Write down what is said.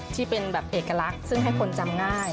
ที่เป็นแบบเอกลักษณ์ซึ่งให้คนจำง่าย